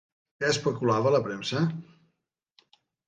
Què especulava la premsa?